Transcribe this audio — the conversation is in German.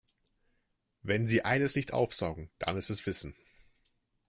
Wenn sie eines nicht aufsaugen, dann ist es Wissen.